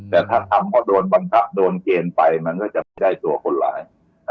แต่ถ้าทำเพราะโดนบังคับโดนเกณฑ์ไปมันก็จะไม่ได้ตัวคนร้าย